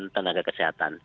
dengan tenaga kesehatan